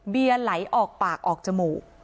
เบียร์ไหลออกปากออกจมูก